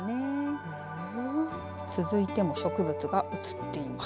続いても植物が映っています。